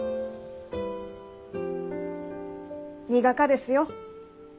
苦かですよ。